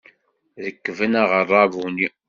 Rekben aɣerrabu-nni.